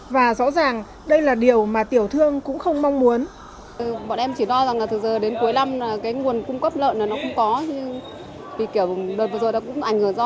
và rõ ràng đây là điều mà tiểu thương cũng không mong muốn